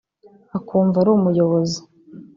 akumva ari umuyobozi